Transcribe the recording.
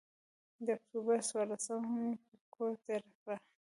د اکتوبر څورلسمه مې پر کور تېره کړه.